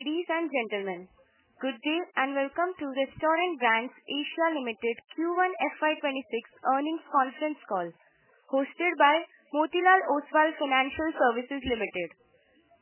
Ladies and gentlemen, good day and welcome to Restaurant Brands Asia Limited Q1 FY 2026 earnings conference call hosted by Motilal Oswal Financial Services Limited.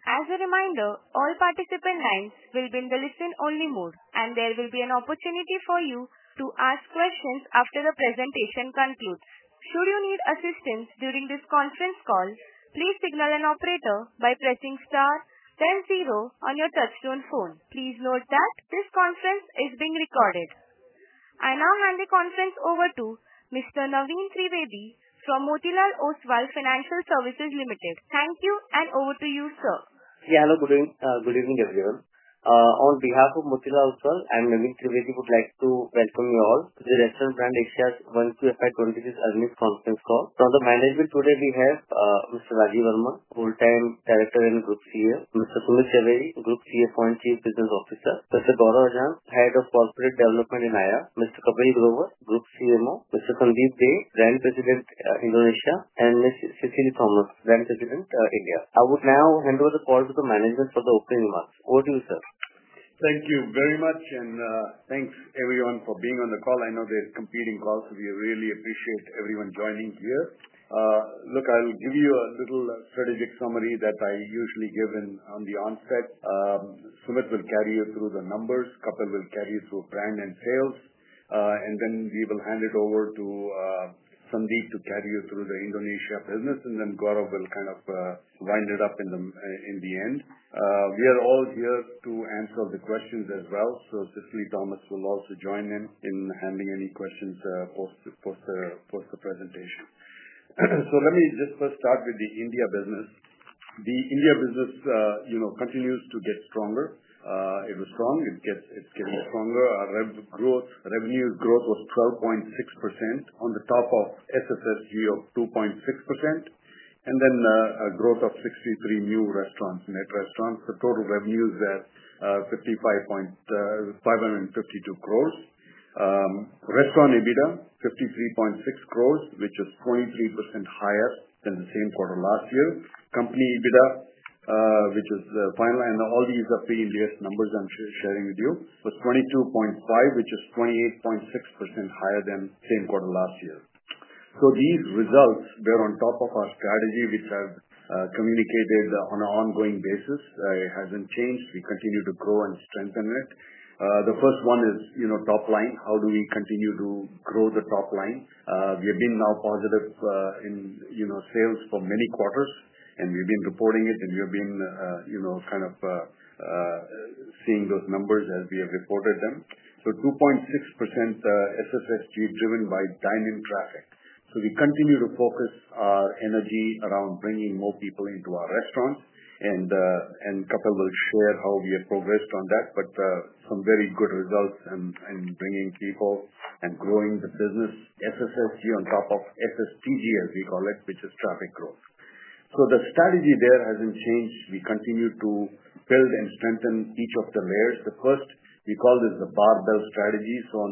As a reminder, all participant lines will be in the listen only mode. There will be an opportunity for you to ask questions after the presentation concludes. Should you need assistance during this conference call, please signal an operator by pressing star ten zero on your touchstone phone. Please note that this conference is being recorded. I now hand the conference over to Mr. Naveen Trivedi from Motilal Oswal Financial Services Limited. Thank you, and over to you sir. Hello. Good evening. Good evening, everyone. On behalf of Motilal Oswal, I'm Naveen Trivedi, would like to welcome you all to the Restaurant Brands Asia Q1 FY 2026 earnings conference call. From the management today we have Mr. Rajeev Varman, Full-time Director and Group CEO. Mr. Sumit Zaveri, Group CFO and Chief Business Officer. Mr. Gaurav Ajjan, Head of Corporate Development and IR. Mr. Kapil Grover, Group CMO. Mr. Sandeep Dey, Brand President, Indonesia, and Ms. Cicily Thomas, Brand President, India. I would now hand over the call to the management for the opening months. Over to you sir. Thank you very much and thanks everyone for being on the call. I know there's competing calls. We really appreciate everyone joining here. Look, I'll give you a little strategic summary that I usually give on the onset. Sumit will carry you through the numbers. Kapil will carry you through brand and sales and then we will hand it over to Sandeep to carry you through the Indonesia business. Gaurav will kind of wind it up. In the end we are all here to answer the questions as well. Cicily Thomas will also join in in handling any questions post the presentation. Let me just first start with the India business. The India business, you know, continues to get stronger. It was strong. It's getting stronger. Our revenue growth was 12.6% on the top of SSSG of 2.6% and then a growth of 63 new restaurants, net restaurants. The total revenues at 55.52 crore. Restaurant EBITDA 53.6 crore which is 23% higher than the same quarter last year. Company EBITDA which is fine line. All these are free numbers I'm sharing with you but 22.5 crore which is 28.6% higher than same quarter last year. These results, they're on top of our strategy which has communicated on an ongoing basis. It hasn't changed. We continue to grow and strengthen it. The first one is, you know, top line. How do we continue to grow the top line? We have been now positive in sales for many quarters and we've been reporting it and you've been kind of seeing those numbers as we have reported them. 2.6% SSSG driven by dine-in traffic. We continue to focus our energy around bringing more people into our restaurant and Kapil will share how we have progressed on that. Some very good results in bringing keyhole and growing the business. SSSG on top of SSSG as we call it, which is traffic growth. The strategy there hasn't changed. We continue to build and strengthen each of the layers. The first, we call this the barbell strategy. On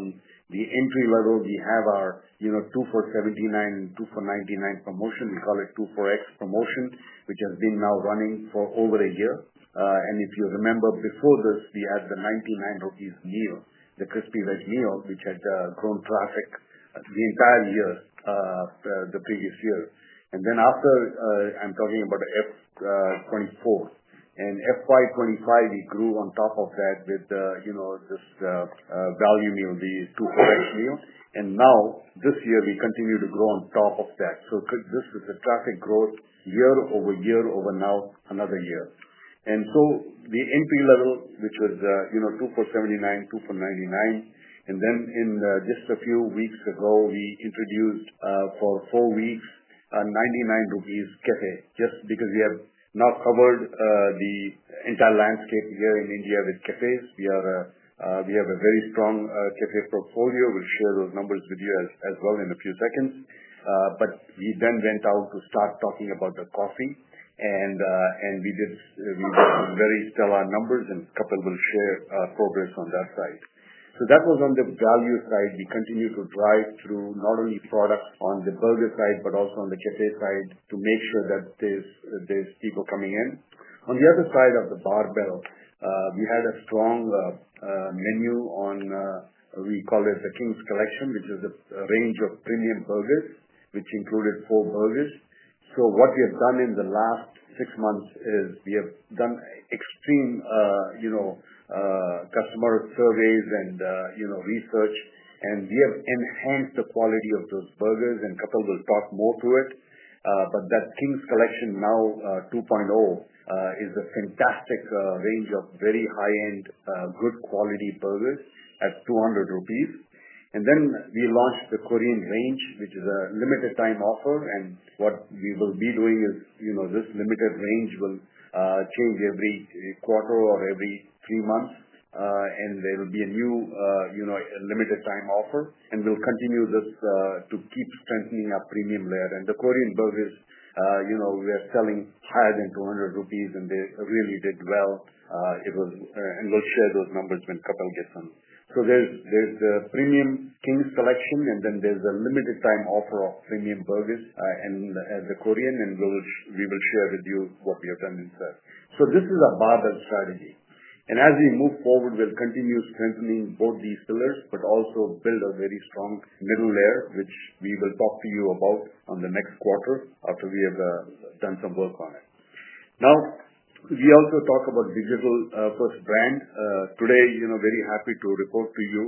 the entry level we have our 2 for 79 and 2 for 99 promotion. We call it 2 for X promotion which has been now running for over a year. If you remember before this we had the 99 rupees Meal. The crispy veg meal which had grown traffic the entire year the previous year and then after, I'm talking about FY 2024 and FY 2025, we grew on top of that with, you know, this value, these two holders here. Now this year we continue to grow on top of that. This is a traffic growth year-over-year. Now another year. The NP level, which was, you know, 2 for 79, 2 for 99. Then just a few weeks ago we introduced for four weeks the 99 rupees Cafe. Just because we have not covered the entire landscape here in India with cafes, we have a very strong KPA portfolio. We'll share those numbers with you as well in a few seconds. He then went out to start talking about the coffee and we did very stellar numbers and Kapil will share progress on that side. That was on the value side. We continue to drive through not only product on the burger side but also on the cafe side to make sure that there's people coming in. On the other side of the barbell, we had a strong menu on what we call the King’s Collection, which is a range of premium burgers that included four burgers. What we have done in the last six months is we have done extreme customer surveys and research and we have enhanced the quality of those burgers and people will talk more to it. That King’s Collection now 2.0 is a fantastic range of very high-end, good quality burgers at 200 rupees. Then we launched the Korean range, which is a limited time offer. What we will be doing is this limited range will change every quarter or every three months and there will be a new limited time offer. We will continue this to keep strengthening our premium layer. The Korean burgers, you know, we are selling higher than 200 rupees and they really did well. We'll share those numbers when Kapil gets on. There's a premium King’s Collection and then there's a limited time offer of premium burgers such as the Korean and we will share with you what the attendance is. This is a barbell strategy. As we move forward, we'll continue strengthening both these pillars but also build a very strong middle layer, which we will talk to you about in the next quarter after we have done some work on it. We also talk about digital first brand today. Very happy to report to you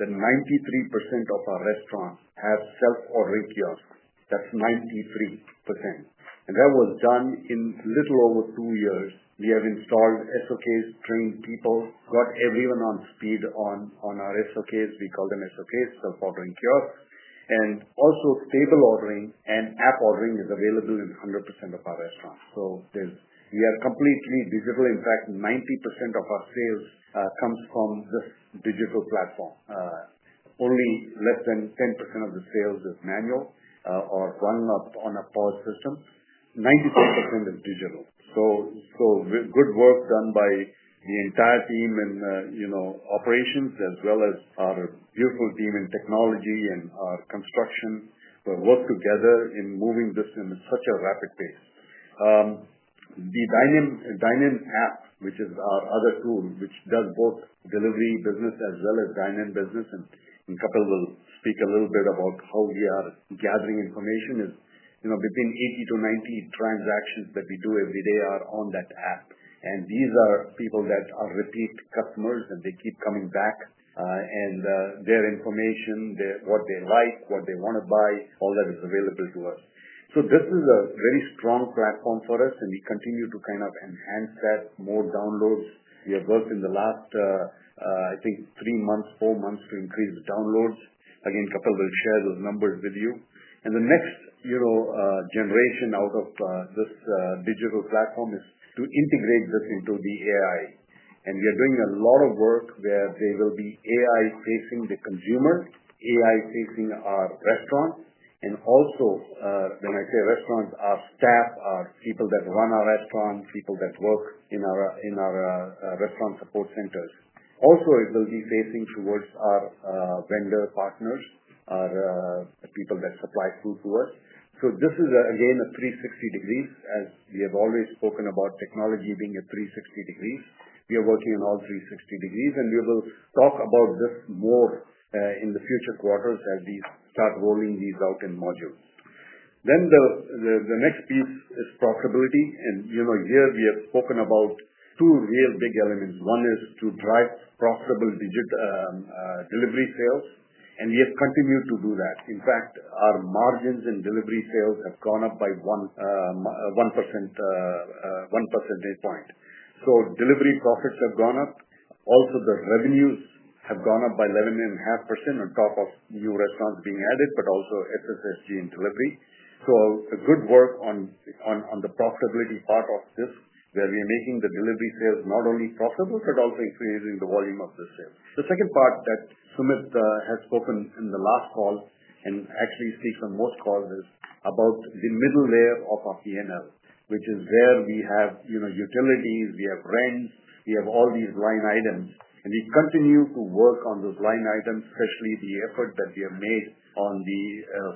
that 93% of our restaurants have self-ordering kiosks. That's 93% and that was done in a little over two years. We have installed self-ordering kiosks, trained people, got everyone up to speed on our self-ordering kiosks. We call them SOK, self-ordering kiosks, and also table ordering and app ordering is available in 100% of our restaurants. We are completely digital. In fact, 90% of our sales come from this digital platform only. Less than 10% of the sales is manual or run up on a power system. 94% is digital. Good work done by the entire team and operations as well as our beautiful team in technology and our construction will work together in moving this in such a rapid pace. The dine-in app, which is our other tool which does both delivery business as well as dine-in business. Kapil will speak a little bit about how we are gathering information is between 80-90 transactions that we do every day are on that app. These are people that are repeat customers and they keep coming back and their information, what they like, what they want to buy, all that is available to us. This is a very strong platform for us and we continue to kind of enhance that. More downloads. We have worked in the last, I think three months, four months to increase the downloads again. Kapil will share those numbers with you. The next generation out of this digital platform is to integrate this into the AI. We are doing a lot of work where they will be AI facing the consumer, AI facing our restaurant. Also when I say restaurants, our staff are people that run our restaurants, people that work in our restaurant support centers. Also it will be facing towards our vendor partner, our people that supply food for us. This is again a 360 degrees. As we have always spoken about technology being at 360 degrees. We are working on all 360 degrees. We will talk about this more in the future quarters as we start rolling these out in module. The next piece is profitability. Here we have spoken about two real big elements. One is to drive profitable digit delivery sales and we have continued to do that. In fact, our margins in delivery sales have gone up by 1%. Delivery profits have gone up. Also the revenues have gone up by 11.5% on top of new restaurants being added, but also SSSG and delivery. Good work on the profitability part of this where we are making the delivery sales not only profitable but also increasing the volume of the sale. The second part that Sumit has spoken in the last call and actually sees on most calls is about the middle layer of our P&L which is there we have utilities, we have rents, we have all these line items and we continue to work on those line items. Especially the effort that we have made on the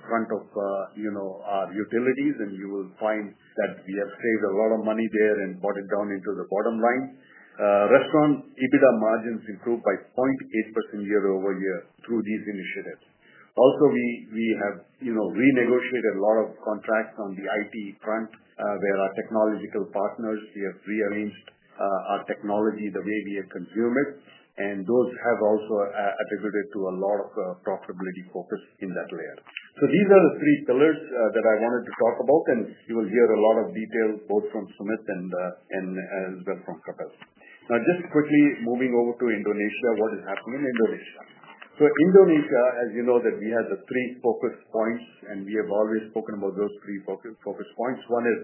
front of our utilities. You will find that we have saved a lot of money there and brought it down into the bottom line. Restaurant EBITDA margins improved by 0.8% year-over-year through these initiatives. We have renegotiated a lot of contracts on the IT front where our technological partners rearranged our technology, the way we have consumed it. Those have also attributed to a lot of profitability focus in that area. These are the three pillars that I wanted to talk about, and you will hear a lot of details both from Sumit and as well from Kapil. Now, just quickly moving over to Indonesia. What is happening in Indonesia? Indonesia, as you know, we have the three focus points, and we have always spoken about those three focus points. One is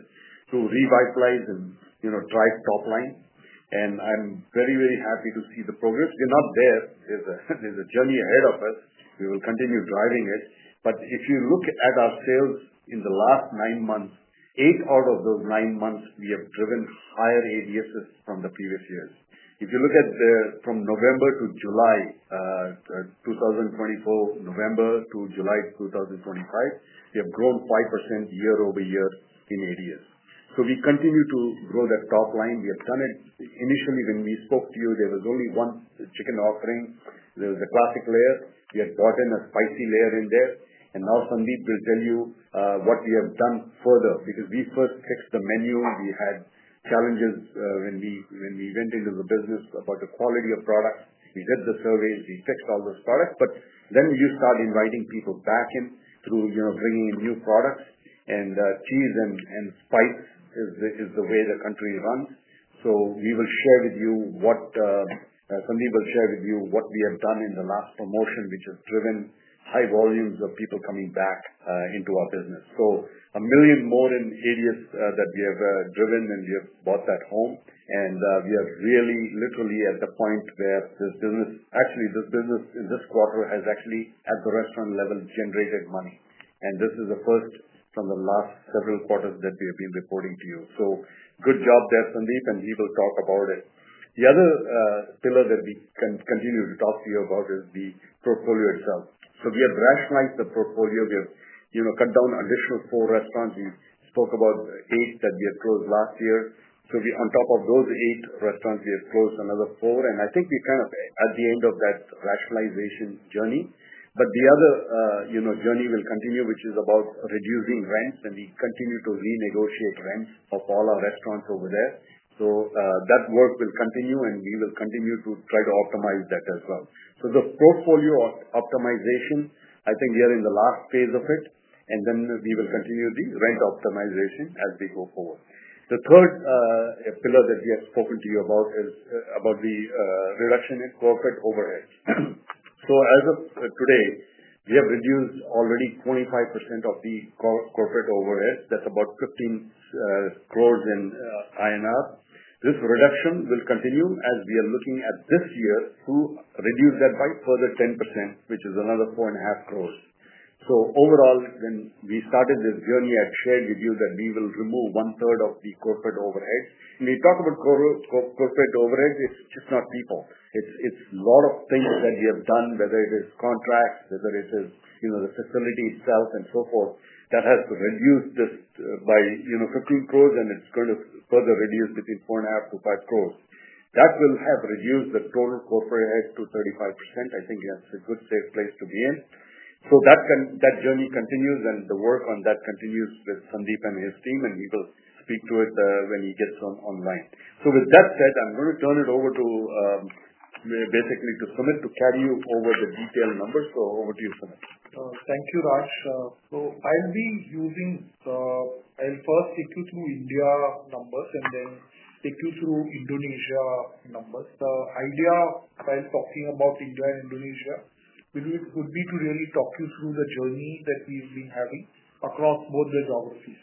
to revitalize and drive top line. I'm very, very happy to see the progress. We're not there. There's a journey ahead of us. We will continue driving it. If you look at our sales in the last nine months, eight out of those nine months, we have driven higher ADSs from the previous years. If you look at the period from November to July 2024, November to July 2025, they have grown 5% year-over-year in areas. We continue to grow that top line. We have done it. Initially, when we spoke to you, there was only one chicken offering. There was a classic layer. We had brought in a spicy layer in there. Now Sandeep will tell you what we have done further, because we fixed the menu. We had challenges when we went into the business about the quality of products. We did the surveys, we fixed all those products. Then you start inviting people back in through bringing in new products and cheese and spices. This is the way the country runs. We will share with you what Sandeep will share with you, what we have done in the last promotion, which has driven high volumes of people coming back into our business. A million more in areas that we have driven, and we have brought that home. We are really literally at the point where actually this business in this quarter has actually at the restaurant level generated money. This is the first from the last several quarters that we have been reporting to you. Good job there, Sandeep. He will talk about it. The other pillar that we continue to talk to you about is the portfolio itself. We have rationalized the portfolio. We have cut down additional four restaurants. We spoke about eight that we had closed last year. On top of those eight restaurants, we have closed another four. I think we are kind of at the end of that rationalization journey. The other journey will continue, which is about reducing rents, and we continue to renegotiate rents of all our restaurants over there. That work will continue, and we will continue to try to optimize that as well. The portfolio optimization, I think we are in the last phase of it, and we will continue the rent optimization as we go forward. The third pillar that we have spoken to you about is about the reduction in corporate overheads. As of today, we have reduced already 25% of the corporate overheads. That's about 15 crores INR. This reduction will continue as we are looking at this year to reduce that by a further 10%, which is another 4.5 crores. Overall, when we started this journey, I've shared with you that we will remove 1/3 of the corporate overhead. When you talk about corporate overhead, it's just not people. It's a lot of things that we have done, whether it is contracts, whether it is the facility itself and so forth, that has reduced this by 15 crores, and it's going to further reduce between 4.5-5 crores. That will have reduced the total corporate to 35%. I think that's a good, safe place to be in. That journey continues, and the work on that continues with Sandeep and his team, and he will speak to it when he gets online. With that said, I'm going to turn it over to Sumit to carry you over the detailed numbers, so over to you. Thank you, Raj. I'll first take you through India numbers and then take you through Indonesia numbers. The idea that I'm talking about India and Indonesia would be to really talk you through the journey that we've been having across both the geographies.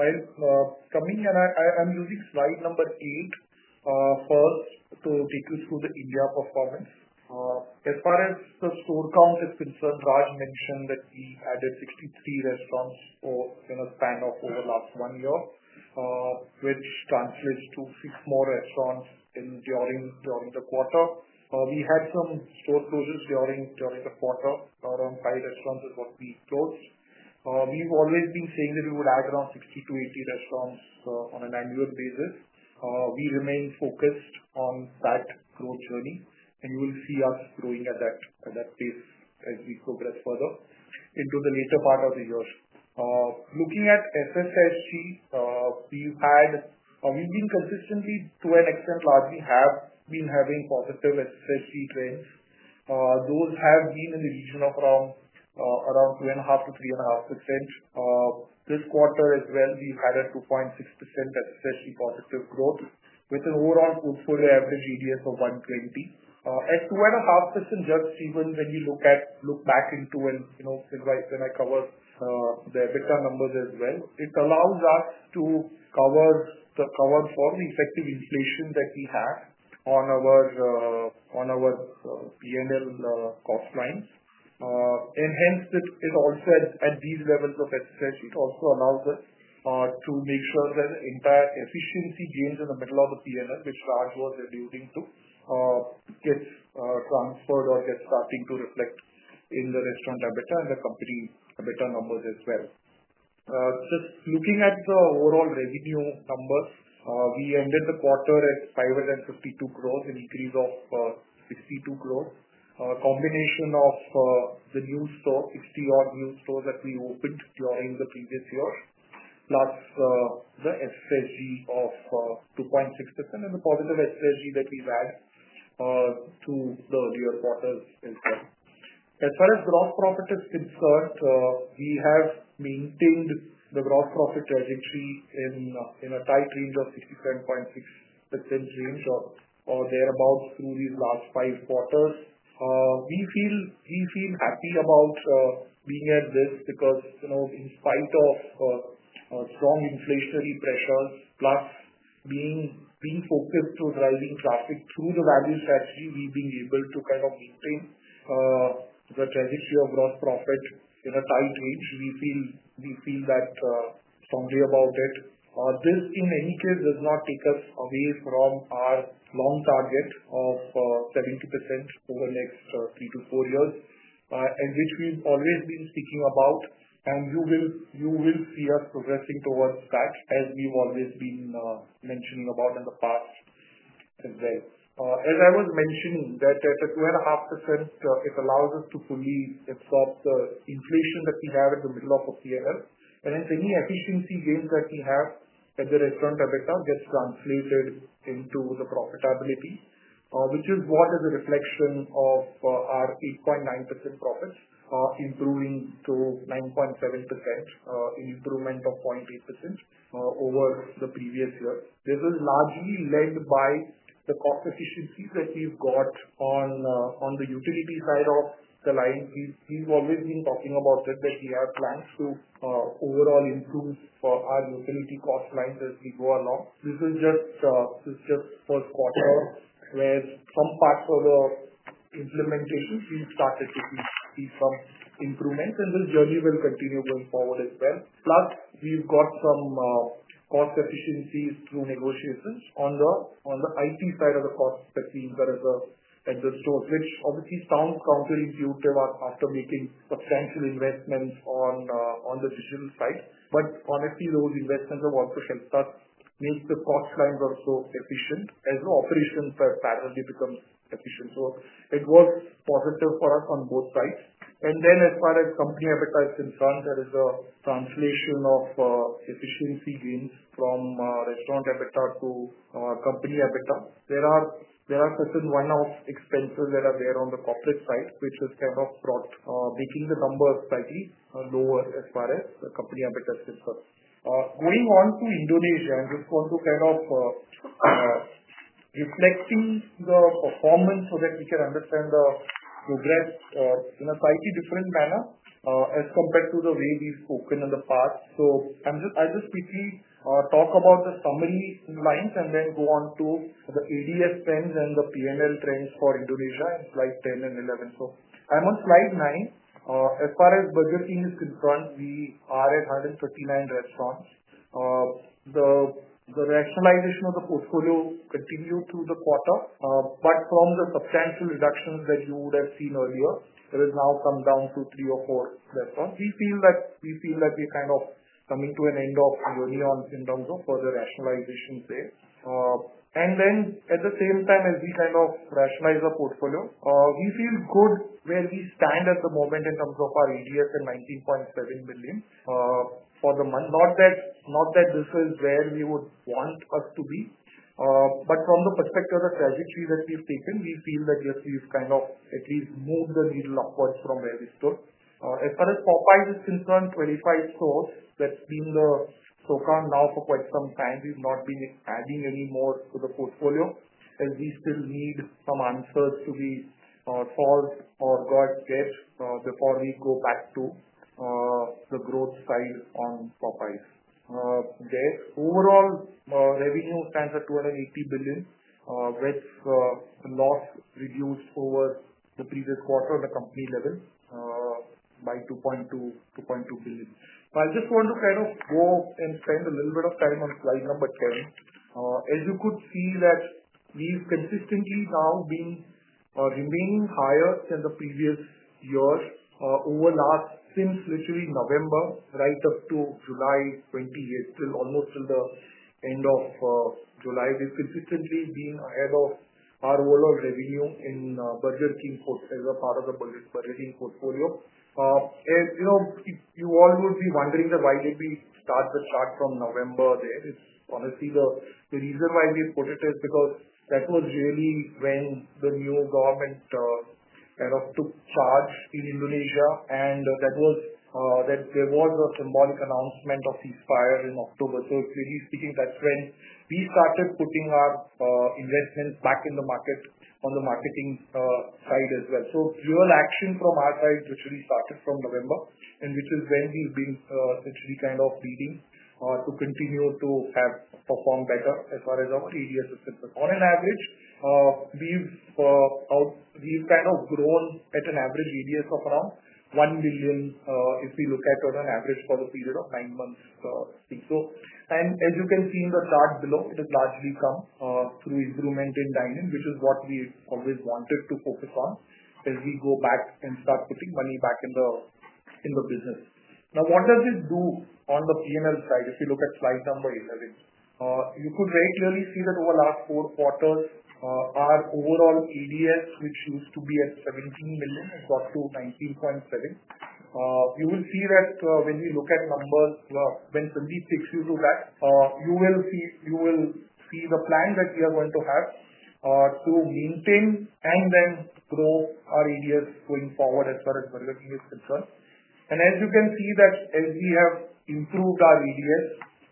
I'm using slide number 8 first to take you through the India performance. As far as the store counts are concerned, Raj mentioned that we added 63 restaurant in a span of over last one year, which translates to six more restaurants during the quarter. We had some store closes during the quarter, restaurants that we closed. We've always been saying that we would add around 60-80 restaurants on an annual basis. We remain focused on that growth journey, and you will see us growing at that stage as we progress further into the later part of the year. Looking at SSSG, we've been consistently to an extent largely having positive SSSG trends. Those have been in the region of around 2.5%-3.5%. This quarter as well, we had a 2.6% SSSG positive growth with an overall portfolio average ADS of 120 as 2.5%. Even when you look back, and when I cover the EBITDA numbers as well, it allows us to cover the COVID for the effective inflation that we have on our P&L cost lines, and hence it also at these levels of SSSG. It also allows to make sure that entire efficiency gains in the middle of the P&L, which Raj was alluding to, get transferred or start to reflect in the restaurant EBITDA and the company's EBITDA numbers as well. Just looking at the overall revenue numbers, we ended the quarter at 552 crore, an increase of 62 crore. A combination of the new store, 61 new stores that we opened during the previous years, plus the SSSG of 2.6% and the positive SSSG that we've had through the earlier quarters. As far as gross profit is concerned, we have maintained the gross profit in a tight range of 67.6% or thereabouts through these last five quarters. We feel happy about being at this because we've thrived off strong inflationary pressures plus being refocused to driving traffic through the value strategy. We've been able to kind of maintain the trajectory of gross profit in a tight range. We feel that strongly about it. This in any case does not take us away from our long target of 70% over the next three to four years, which we've always been speaking about. You will see us progressing towards that as we've always been mentioning about in the past. As I was mentioning, at the 2.5% it allows us to fully absorb the inflation that we have at the middle of year, and any efficiency gains that we have at the restaurant EBITDA gets translated into the profitability, which is what is a reflection of our 8.9% profits improving to 9.7%, improvement of 0.8% over the previous year. This is largely led by the cost efficiencies that we've got on the utility side of the line. We've always been talking about that we have plans to overall improve for our utility cost lines as we go along. This is just first quarter where some parts of the implementing receive start actually some improvements, and this journey will continue going forward as well. Plus, we've got some cost efficiencies through negotiations on the IT side of the cost, and obviously sounds counterintuitive after making substantial investments on the digital side. Honestly, those investments of operations mean the cost lines are so efficient as the operations have started to become efficient. It was positive for us on both sides. As far as company avatar is concerned, there is a translation of efficiency gains from restaurant EBITDA to company EBITDA. There are certain one-off expenses that are there on the corporate side, which is kind of products making the numbers slightly lower as far as company EBITDA is concerned. Going on to Indonesia, this goes to kind of reflecting the performance so that we can understand the progress or in a slightly different manner as compared to the way we've spoken in the past. I just quickly talk about the summary lines and then go to the ADS trends and the P&L trends for Indonesia in slide 10 and 11. I'm on slide nine as far as Burger King is concerned. We are at 139 restaurants. The rationalization of the portfolio continued through the quarter, but from the substantial reductions that you would have seen earlier, it has now come down to three or four platforms. We feel that we are kind of coming to an end in terms of further rationalization there. At the same time, as we kind of rationalize our portfolio, we feel good where we stand at the moment in terms of our ADS at 19.7 billion for the month. Not that this is where we would want us to be, but from the perspective of the trajectory that we've taken, we feel that yes, we've kind of at least moved the needle upwards from where we stood. As far as Popeyes is concerned, 25 stores. That's been the so far now for quite some time. We've not been adding any more to the portfolio as we still need some answers to be solved or got debts before we go back to the growth side on Popeyes. Their overall revenue stands at 280 billion with loss reduced over the previous quarter. The company level by 2.2 billion. I just want to go spend a little bit of time on slide number 10. As you could see, we've consistently now been remaining higher than the previous years since literally November right up to July 28, till almost the end of July. We've consistently been ahead of our overall revenue in Burger King as a part of the portfolio. You all would be wondering why did we start from November there. It's honestly the reason why we put it is because that was really when the new government kind of took charge in Indonesia and there was a symbolic announcement of ceasefire in October. Clearly speaking, that trend, we started putting our investment back in the market on the marketing side as well. Pure action from our side literally started from November, which is when we've been, it's the kind of readings to continue to have performed better as far as our ADS. On an average, we've kind of grown at an average ADS of around 1 billion if we look at on average for a period of nine months. As you can see in the chart below, it has largely come through improvement in dine-in, which is what we always wanted to focus on as we go back and start putting money back in the business. Now, what does it do on the P&L side? If you look at slide number 11, you could very clearly see that over the last four quarters our overall ADS, which used to be at 17 million, got through 19.7 million. You will see that when we look at numbers when Sandeep takes you to that, you will see the plan that we are going to have to maintain and then grow our ADS going forward as far as Burger King is concerned. As you can see, as we have improved our ADS,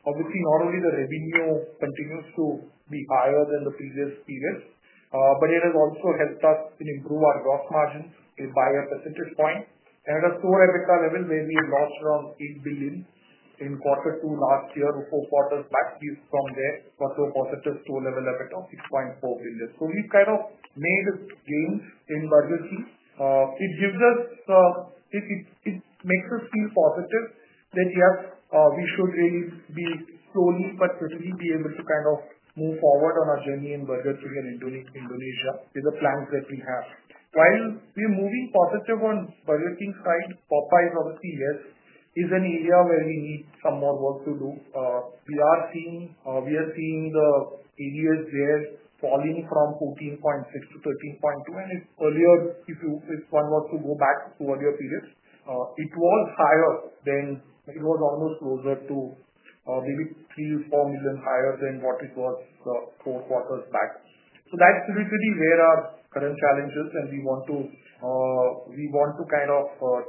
obviously not only the revenue continues to be higher than the previous periods, but it has also helped us improve our gross margin by a percentage point. And a store EBITDA level where we lost around 8 billion in quarter two last year. Four quarters back from there, quarter positive store level at 6.4 billion. We kind of made a gain in Burger King. It gives us. It makes us feel positive that yes, we should really be slowly but certainly move forward on our journey in budgetary and Indonesia with the plans that we have. While we are moving positive on Burger King's side, Popeyes obviously yes is an area where we need some more work to do. We are seeing the area falling from 14.6 million to 13.2 million and if one was to go back to earlier periods, it was higher than it was, almost close up to or maybe 3 million-4 million higher than what it was four quarters back. That's basically where our current challenge is and we want to kind of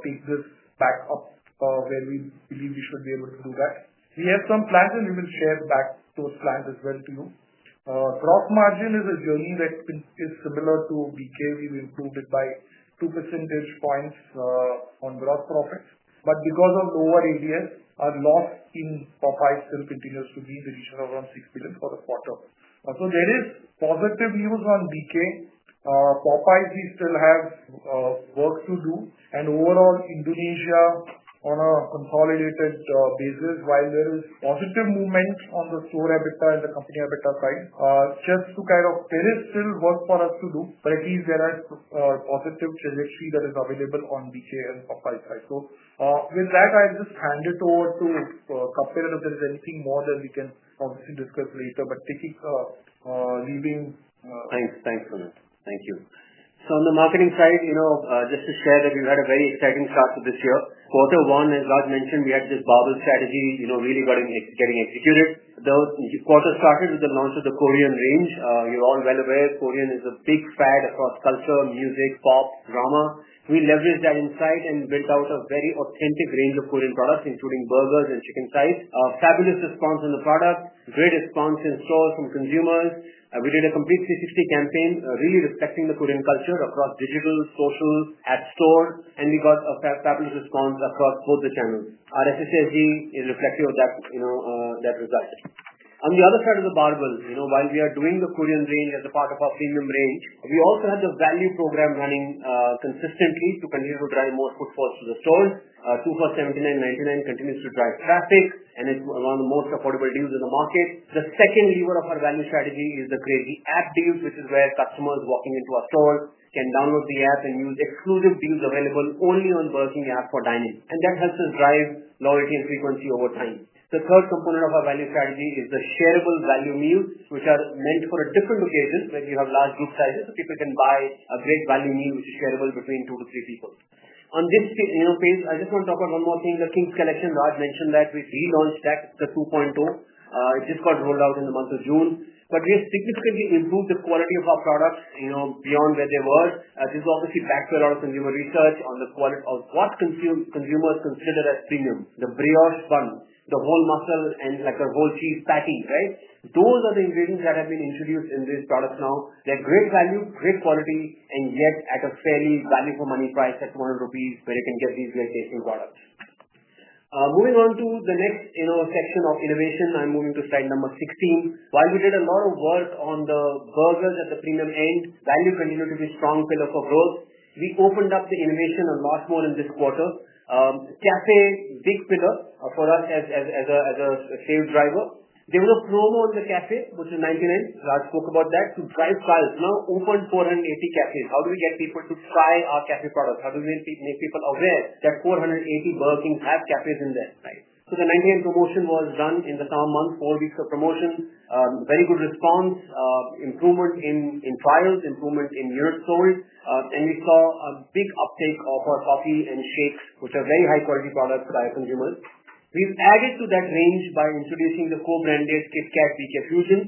take this back up when we believe we should be able to do that. We have some plans and we will share back to its flag as well to you. Gross margin is a journey that is similar to BK. We will prove it by 2% on gross profits, but because of lower ADS are lost in top 5 self containers to gains additional around 6 billion for a quarter. There is positive news on BK, Popeyes is still has work to do, and overall Indonesia on a consolidated basis, while there is positive movement on the store EBITDA and the company EBITDA side. There is still work for us to do, but at least there is positive trajectory that is available on BK and Popeyes. With that, I'll just hand it over to Kapil. If there is anything more, then we can obviously discuss later. Taking leaving. Thanks. Thanks, Sumit. Thank you. On the marketing side, just to share that we've had a very exciting start for this year. Quarter one, as Raj mentioned, we had this barbell strategy really getting executed. The quarter started with the launch of the Korean range. You're all well aware Korean is a big fad across culture, music, pop drama. We leveraged that insight and built out a very authentic range of Korean products including burgers and chicken thighs. Fabulous response on the product. Great response in stores from consumers. We did a complete 360 campaign really respecting the Korean culture across digital, social, at store, and we got a fabulous response across both the channels. Our SSSG is reflective of that. On the other side of the barbells, while we are doing the Korean range as a part of our premium range, we also have the value program running consistently to continue to drive more footfalls to the store. 2 for 79/INR 99 continuously drives traffic and it's one of the most affordable deals in the market. The second lever of our value strategy is the crazy app deals, which is where customers walking into our stores can download the app and use exclusive deals available only on the Burger King app for dining. That helps us drive loyalty and frequency over time. The third component of our value strategy is the shareable value meals, which are meant for different locations where you have large group sizes so people can buy a great value meal which is shareable between two to three people. On this page, I just want to talk about one more thing. The King’s Collection Raj mentioned that we relaunched that. It's a 2.0. It just got rolled out in the month of June. We have significantly improved the quality of our products beyond where they were. This is obviously backed by a lot of consumer research on the quality of what consumers consider as premium. The brioche bun. The whole muscle and like a whole cheese patty. Right. Those are the ingredients that have been introduced in these products. Now they're great value, great quality, and yet at a fairly value for money price at 100 rupees where you can get these great basic products. Moving on to the next section of innovation, I'm moving to slide number 16. While we did a lot of work on the burgers at the premium end, value continues to be a strong pillar for growth. We opened up the innovation on March more than this quarter. Cafe is a big pillar for us as a sales driver. There was a promo on the cafe, which is 99. Raj spoke about that. Drive clients now open 480 cafes. How do we get people to try our cafe product? How do we make people aware that 480 working have cafes in there? The 99 promotion was done in the summer months. Four weeks of promotion, very good response. Improvement in trials, improvement in Europe story, and we saw a big uptake of our coffee and shakes, which are very high quality products for our consumers. We've added to that range by introducing the co-brand based KitKat BK Fusion.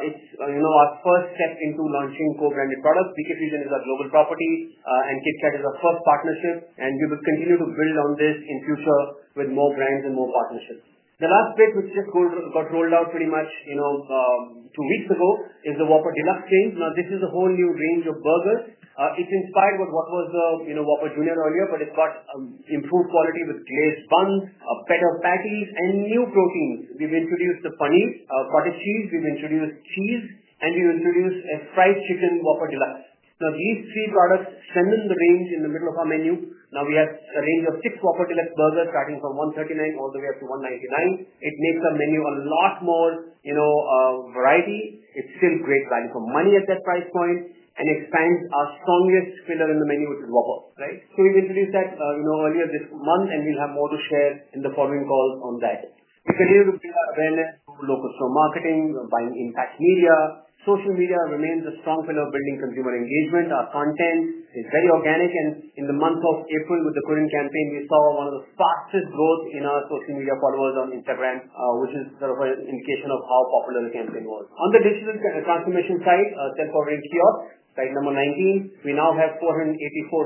It's our first step into launching co-branded products. BK Fusion is our global property and KitKat is our first partnership, and we will continue to build on this in future with more brands and more partnerships. The last bit, which just got rolled out pretty much two weeks ago, is the Whopper Deluxe chains. This is a whole new range of burger. It's inspired with what was, you know, Whopper Jr earlier, but it's got improved quality with glazed buns, a pat of patties, and new proteins. We've introduced the paneer cottage cheese, we've introduced cheese, and we introduced a fried chicken Whopper Deluxe. These three products strengthen the range in the middle of our menu. Now we have a range of six Whopper Deluxe burgers starting from 139 all the way up to 199. It makes our menu a lot more, you know, variety. It's still great value for money at that price point and expands our strongest killer in the menu, which is Whopper, right? We released that earlier this month and we'll have more to share in the following calls on that. We continue to local store marketing, buying in cash media. Social media remains a strong fellow building consumer engagement. Our content is very organic, and in the month of April with the Korean campaign, we saw one of the fastest growth in our social media followers on Instagram, which is sort of an indication of how popular the campaign was. On the digital transformation side, self-ordering kiosk slide number 19, we now have 484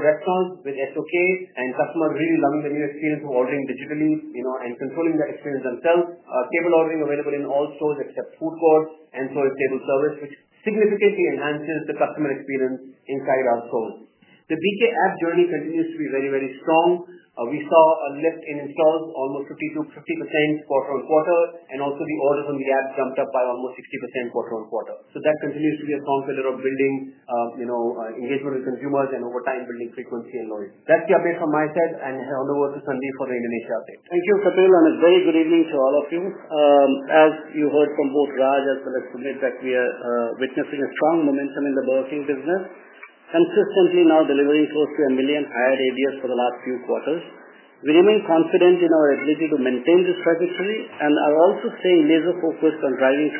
rep cons with SOK, and customers really loving the new experience of ordering digitally, you know, and controlling the experience themselves. Table ordering available in all stores except food court and storage table service, which significantly enhances the customer experience inside our store. The BK app journey continues to be very, very strong. We saw a lift in installs, almost 50% quarter on quarter, and also the orders on the app jumped up by almost 60% quarter on quarter. That continues to be a strong pillar of building engagement with consumers and, over time, building frequency and noise. That's the update from my side and hand over to Sandeep for the Indonesia update. Thank you, Kapil, and a very good evening to all of you. As you heard from both Rajeev as well as Sumit, we are witnessing a strong momentum in the Burger King business. Hence, we continue now delivering close to 1 million higher ADS for the last few quarters. We remain confident in our ability to maintain this successfully and are also seeing laser focus on driving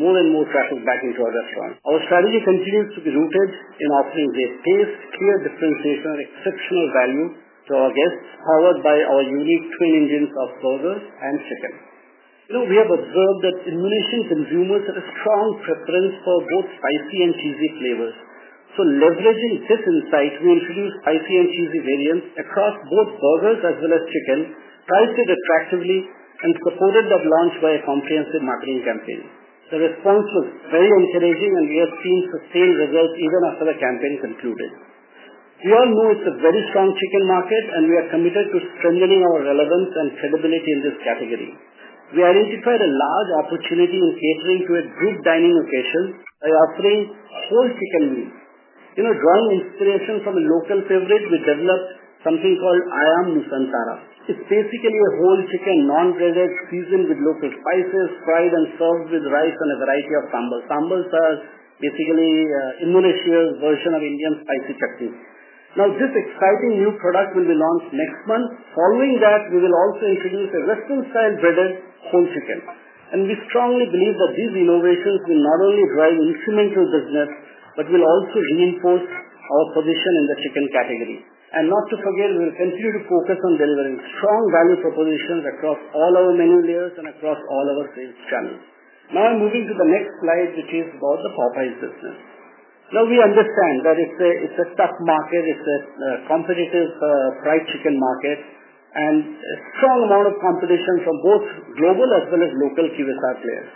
more and more traffic back into our response. Our strategy continues to be rooted in offering great taste, smear distancing, exceptional value to our guests, powered by our unique twin engines of burger and chicken. We have observed that Indonesian consumers had a strong preference for both spicy and cheesy flavor. Leveraging this insight, we introduced spicy and cheesy variants across both burgers as well as chicken, priced attractively and supported the launch via comprehensive marketing campaign. The response was very encouraging, and we have seen sustained result even after the campaign concluded. We all know it's a very strong chicken market, and we are committed to strengthening our relevance and favorability in this category. We identified a large opportunity when catering to a group dining occasion by offering whole chicken meat. Drawing inspiration from a local favorite, we developed something called Ayam Nusantara. It's basically a whole chicken, non-graded, seasoned with lotus spices, fried and served with rice and a variety of sambal. Sambals are basically Indonesia's version of Indian spicy chutney. This exciting new product will be launched next month. Following that, we will also introduce a Western style breaded whole chicken. We strongly believe that these innovations will not only drive instrumental business but will also reinforce our position in the chicken category. Not to forget, we'll continue to focus on delivering strong value propositions across all our menu layers and across all our sales channels. Now I'm moving to the next slide, which is about the Popeyes business. Now we understand that it's a stock market, it's a competitive fried chicken market and strong amount of competition for both global as well as local QSR players.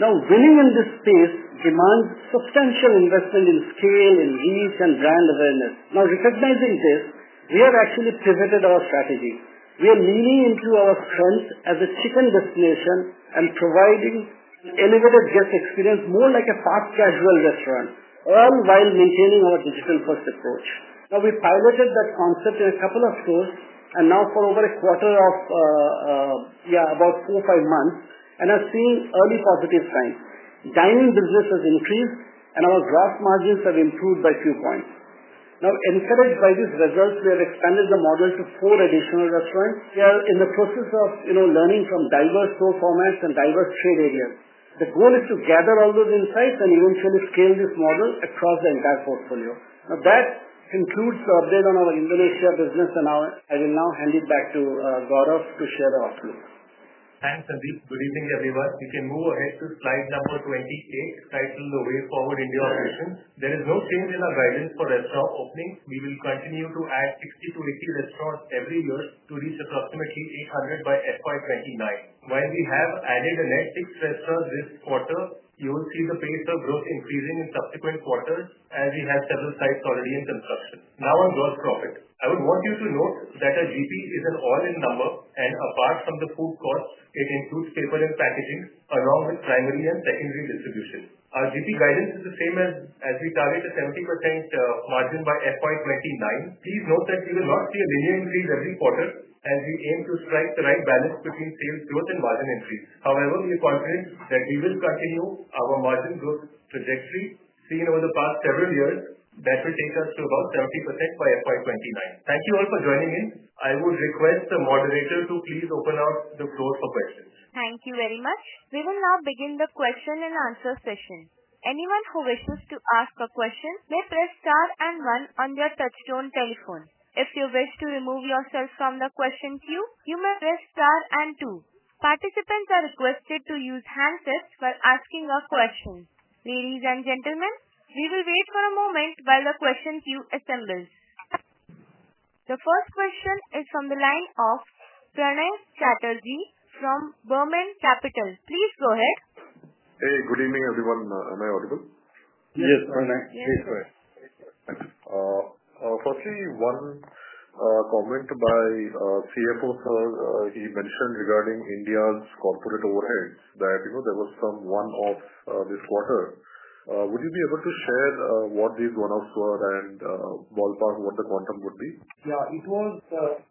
Winning in this space demands substantial investment in scale and ease and brand awareness. Recognizing this, we have actually pivoted our strategy. We are leaning into our funds as a second destination and providing innovative guest experience more like a fast casual restaurant, all while maintaining our decision cost approach. We piloted that concept in a couple of stores for over a quarter of about 4-5 months and are seeing early positive signs. Dining business has increased and our gross margins have improved by a few points. Now instead, by these results, we have expanded the model to four additional. That's why we are in the process of learning from diverse store formats and diverse trade area. The goal is to gather all those insights and eventually scale this model across the entire portfolio. That concludes the update on our Indonesia business and I will now hand it back to Gaurav to share the outlook. Thanks, Sandeep. Good evening everyone. We can move ahead to slide number 28 titled The Way Forward India Operation. There is no change in our guidance for restaurant openings. We will continue to add 60-80 restaurants every year to reach approximately 800 by FY 2029. While we have added the next six restaurants this quarter, you will see the pace of growth increasing in subsequent quarters, as we have several sites already in construction now on gross profit. I would want you to note that our GP is an all-in number, and apart from the food cost, it includes paper and packaging along with primary and secondary distribution. Our GP guidance is the same as we target the 70% margin by FY 2029. Please note that we will not see a linear increase every quarter, and we aim to strike the right balance between sales growth and bargain entry. However, we are confident that we will continue our margin growth trajectory seen over the past several years. That will take us to about 70% by FY 2029. Thank you all for joining in. I would request the moderator to please open out the floor for questions. Thank you very much. We will now begin the question and answer session. Anyone who wishes to ask a question may press star and one on their touchstone telephone. If you wish to remove yourself from the question queue, you may press star and two. Participants are requested to use hand tips while asking a question. Ladies and gentlemen, we will wait for a moment while the question queue assembles. The first question is from the line of Pranay Chatterjee from Burman Capital. Please go ahead. Hey, good evening everyone. Am I audible? Yes. Firstly, one comment by CFO Sir. He mentioned regarding India's corporate overhead that there was some one offs this quarter. Would you be able to share what? These one-offs were, and ballpark, what? The quantum would be? Yeah, it was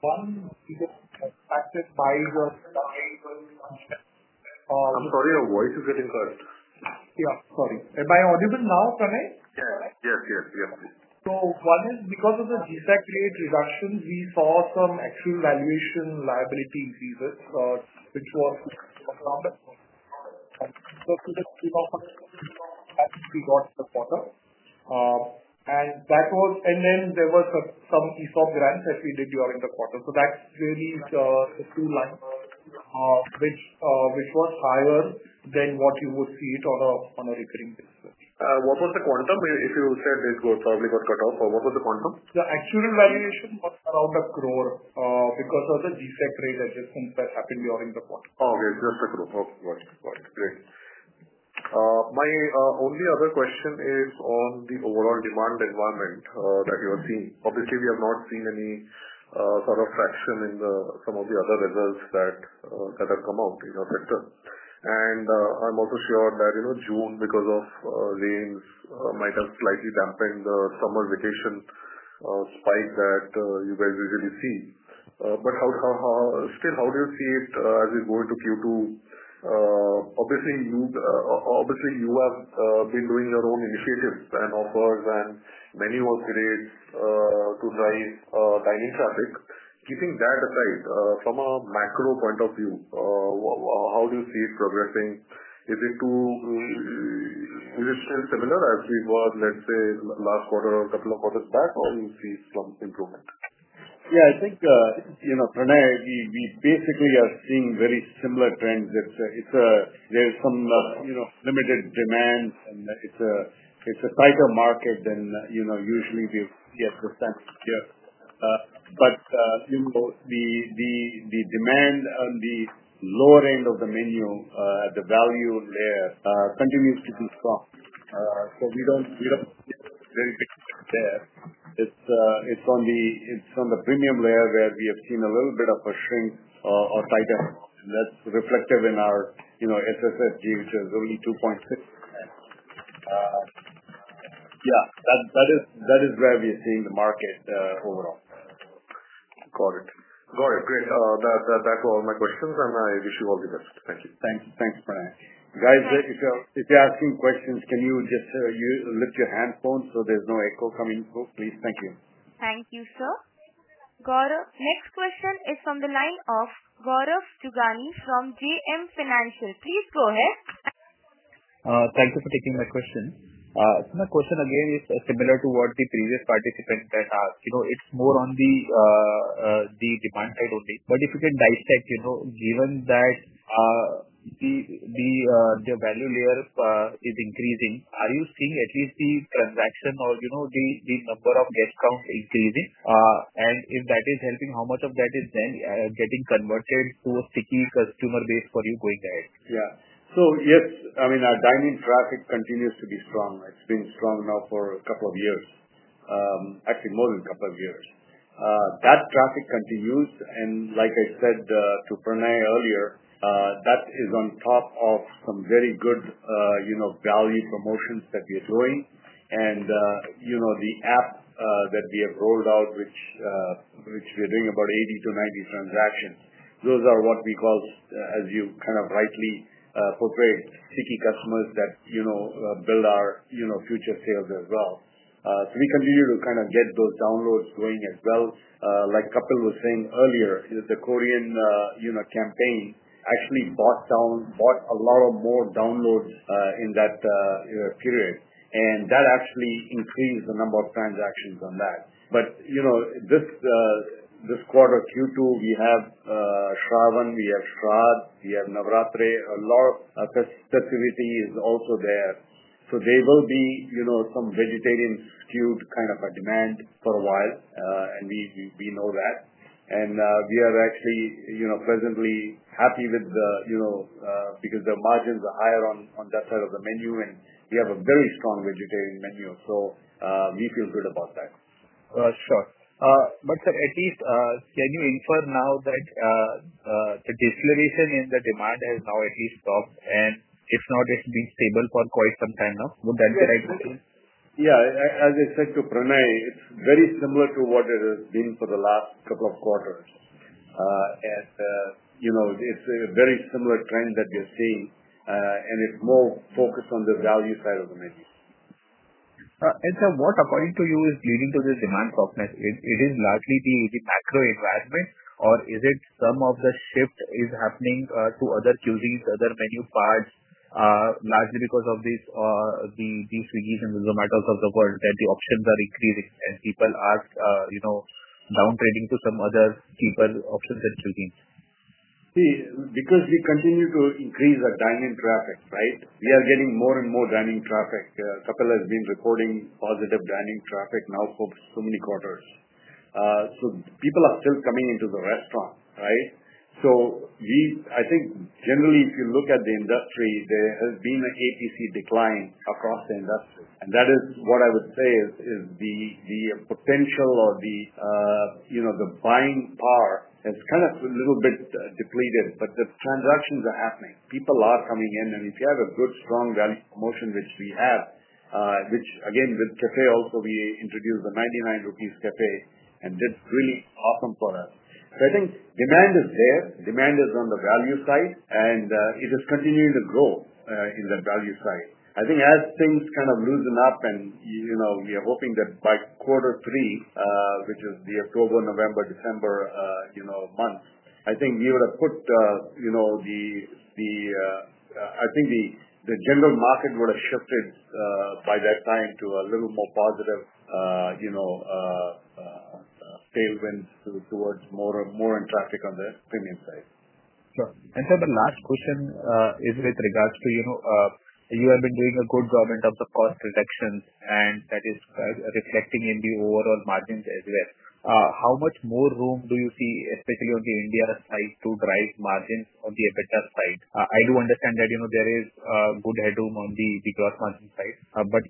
fun. Active size. I'm sorry your voice is getting cut. Yeah, sorry, am I audible now, Pranay? Yes, yes. One is because of the G-Sec relate reductions we saw some actual valuation liabilities thesis which was the quarter and that was. There were some ESOP grants that we did during the quarter. That really two lines which was higher than what you would see it on a recurring basis. What was the quantitative. If you said the growth probably got cut off or what was the quantum? The actual valuation got about 1 crore because of the G-Sec rate adjustment that happened during the quarter. Oh it's just 1 crore, yes. Got it. Great. My only other question is on the overall demand environment that you are seeing. Obviously, we have not seen any sort of fraction in some of the other results that have come out in vector. I'm also sure that you know June, because of rains, might have slightly dampened the summer vacation spike that you guys usually see. How still how do you see as it goes to Q2? Obviously, you have been doing your own initiatives and offers and many work rates to drive dining traffic. Keeping that aside from a macro point of view. How do you see it progressing? Is it still similar as we were, let's say, last quarter or several quarters back, or you see some improvements? Yeah, I think, you know, Pranay, we basically are seeing very similar trends. There's some limited demand, and it's a tighter market than, you know, usually. We get the stacks here, but the demand on the lower end of the menu, the value there continues to be soft. We don't see it very big there. It's on the premium layer where we have seen a little bit of a shrink or tighter that's reflective in our, you know, SSSG, which is only 2.6%. Yeah, that is where we're seeing the market overall. Got it, got it. Great. That's all my questions and I wish you all the best. Thank you. Thanks. Thanks, Pranay. Guys, if you're asking questions, can you just lift your hand phone so there's no echo coming through, please? Thank you. Thank you, sir. Gaurav, next question is from the line of Gaurav Jogani from JM Financial. Please go ahead. Thank you for taking my question. My question again is similar to what the previous participants, you know, it's more on the demand side only. If you can dissect, you know. Given the value layer is increasing, are you seeing at least the transaction or the, the number of guest count increasing? If that is helping, how much of that is then getting converted for sticky customer base for you going ahead? Yeah. Yes, I mean, our dining traffic continues to be strong, right? It's been strong now for a couple of years, actually more than a couple of years. That traffic continues. Like I said to Pranay earlier, that is on top of some very good value promotions that we're doing. You know, the app that we have rolled out, which we're doing about 80-90 transactions, those are what we call as you kind of rightly, corporate sticky customers that, you know, build our future sales as well. We continue to kind of get those downloads going as well. Like Kapil was saying earlier, the Korean campaign actually brought down, brought a lot more downloads in that period, and that actually increased the number of transactions on that. This quarter, Q2, we have Shravan, we have Shradh, we have Navaratri. A lot of it is also there. There will be some vegetarian tube kind of a demand for a while and we know that and we are actually, you know, presently happy with the, you know, because the margins are higher on that side of the menu and we have a very strong vegetarian menu. We feel good about that. Sure, at least can you infer now? That the deceleration in the demand has now at least stopped, and if not, it's been stable for quite some time now. Would that be right? Yeah. As I said to Pranay, it's very similar to what it has been for the last couple of quarters. As you know, it's a very similar trend that you're seeing, and it's more focused on the value side of the middle. And somewhat according to you is leading to this demand softness. It is largely the macro environment or is it some of the shift is happening to other cuisines, other menu parts largely because of the Swiggy's and Zomato's of the world that the options are increasing and people are, you know, down trading to some other cheaper options than cuisines? See, because we continue to increase our dining traffic. Right. We are getting more and more dining traffic. Couple has been recording positive dining traffic now hopes so many quarters people are still coming into the restaurant. Right. I think generally if you look at the industry, there has been an APC decline across the industry and that is what I would say is the potential or the, you know, the buying power is kind of a little bit depleted, but the transactions are happening, people are coming in. If you have a good strong dance promotion, which we have, which again with cafe also we introduced the 99 rupees Cafe and it's really awesome for us. I think demand is there. Demand is on the value side and it is continuing to grow in that value side. I think as things kind of loosen up, we are hoping that by quarter three, which is the October, November, December, you know, month, I think we would have put, you know, the, the, I think the, the general market would have shifted by that time to a little more positive, you know, sale wins towards more and more in traffic on the premium side. The last question is with regards to, you know, you have been doing a good job in terms of cost reductions, and that is reflecting in the overall margins as well. How much more room do you see? Especially on the India side to drive margins on the EBITDA side? I do understand that there is good headroom on the gross margin side.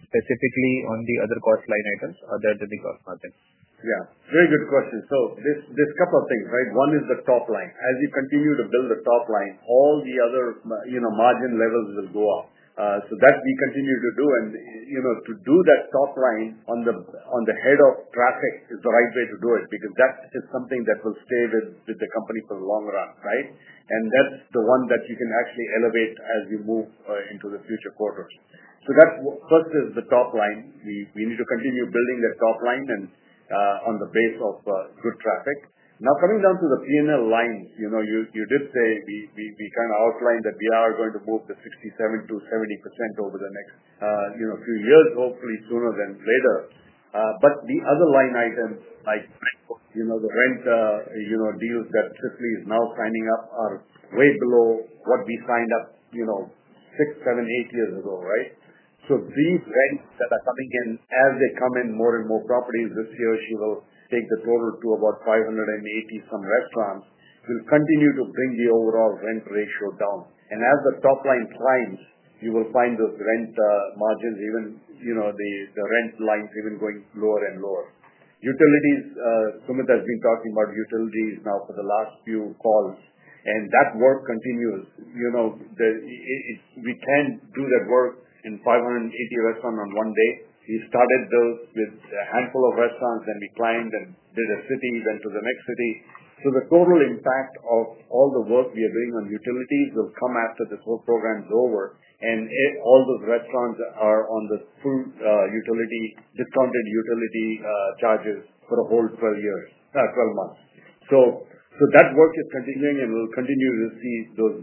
Specifically on the other cost line items. Other than the cost margin. Yeah, very good question. There's a couple of things, right? One is the top line. As you continue to build the top line, all the other margin levels will go up. That we continue to do. To do that top line on the head of traffic is the right way to do it because that is something that will stay with the company for the long run. That's the one that you can actually elevate as you move into the future quarters. That first is the top line. We need to continue building that top line and on the base of good traffic. Now, coming down to the P&L lines, you did say we kind of outlined that we are going to move the 67%-70% over the next few years, hopefully sooner than later. The other line items like the rent, the deals that Cicily is now signing up are way below what we signed up six, seven, eight years ago. These rents that are coming in, as they come in more and more properties this year, she will take the total to about 580. Some restaurants will continue to bring the overall rent ratio down. As the top line climbs, you will find the rent margins, the rent lines even going lower and lower. Utilities, Sumit has been talking about utilities now for the last few calls and that work continues. We can't do that work in 580 restaurants on one day. We started those with a handful of restaurants and we climbed and did a city, went to the next city. The total impact of all the work we are doing on utilities, after this whole program is over and all those restaurants are on the full utility, discounted utility charges for a whole 12 months. That work is continuing and we'll continue to see